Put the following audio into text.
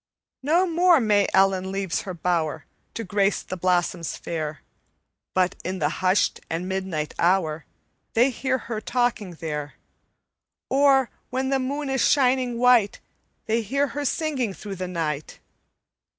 "No more May Ellen leaves her bower To grace the blossoms fair; But in the hushed and midnight hour They hear her talking there, Or, when the moon is shining white, They hear her singing through the night.